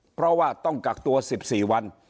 เพราะว่าต้องกักตัว๑๔วัน